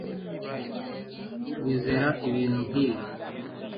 Wizera ibintu nkibi